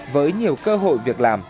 với nhiều cơ hội việc làm